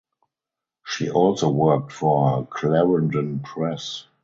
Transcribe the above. She also worked for Clarendon Press.